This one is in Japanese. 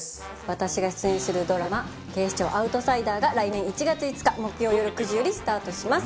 私が出演するドラマ『警視庁アウトサイダー』が来年１月５日木曜よる９時よりスタートします。